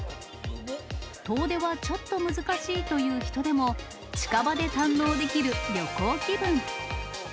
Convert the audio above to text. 遠出はちょっと難しいという人でも、近場で堪能できる旅行気分。